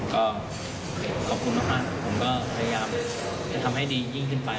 ก็ขอบคุณมากผมก็พยายามจะทำให้ดียิ่งขึ้นไป